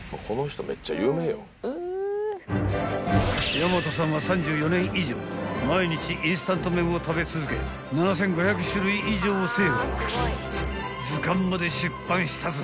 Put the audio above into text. ［大和さんは３４年以上毎日インスタント麺を食べ続け７，５００種類以上を制覇］